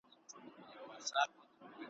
ملالۍ بیرغ اخیستی زولنې یې ماتي کړي .